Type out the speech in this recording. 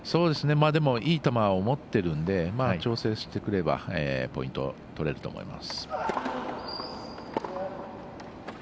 でも、いい球を持ってるので調整してくればポイント取れると思います。